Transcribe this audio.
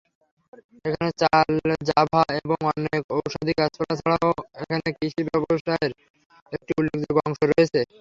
এখানে চাল, জাভা এবং অনেক ঔষধি গাছপালা ছাড়াও এখানে কৃষি ব্যবসায়ের একটি উল্লেখযোগ্য অংশ রয়েছে।